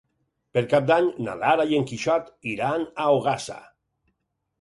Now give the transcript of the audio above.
Per Cap d'Any na Lara i en Quixot iran a Ogassa.